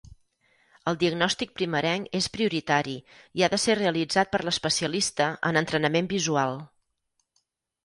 El diagnòstic primerenc és prioritari i ha de ser realitzat per l'especialista en entrenament visual.